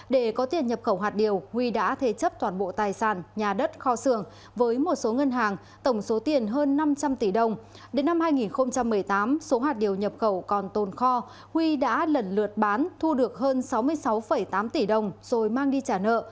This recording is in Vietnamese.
để có tiền nhập khẩu hạt điều huy đã thế chấp toàn bộ tài sản nhà đất kho xưởng với một số ngân hàng tổng số tiền hơn năm trăm linh tỷ đồng đến năm hai nghìn một mươi tám số hạt điều nhập khẩu còn tồn kho huy đã lần lượt bán thu được hơn sáu mươi sáu tám tỷ đồng rồi mang đi trả nợ